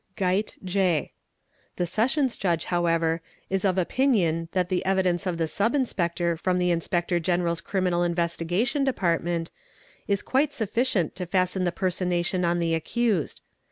"Geidt, J. The Sessions Judge, however, is of opinion that the — evidence of the Sub Inspector from the Inspector General's Criminal Investigation Department is quite sufficient to fasten the personation on — the accused.